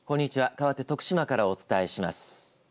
かわって徳島からお伝えします。